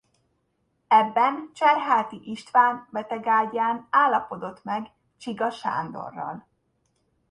Ebben Cserháti István betegágyán állapodott meg Csiga Sándorral.